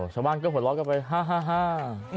ชาวบ้านก็หัวเราะกันไปห้าฮ่าฮ่า